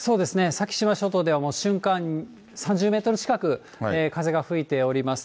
先島諸島ではもう、瞬間３０メートル近く、風が吹いております。